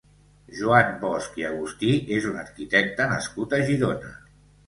Joan Bosch i Agustí és un arquitecte nascut a Girona.